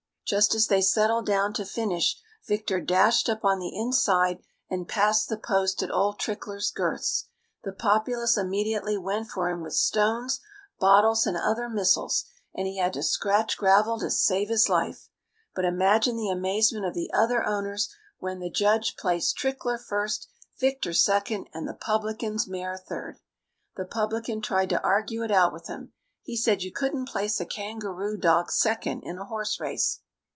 Just as they settled down to finish Victor dashed up on the inside, and passed the post at old Trickler's girths. The populace immediately went for him with stones, bottles, and other missiles, and he had to scratch gravel to save his life. But imagine the amazement of the other owners when the judge placed Trickler first, Victor second, and the publican's mare third! The publican tried to argue it out with him. He said you couldn't place a kangaroo dog second in a horse race.